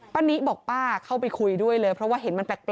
นิบอกป้าเข้าไปคุยด้วยเลยเพราะว่าเห็นมันแปลก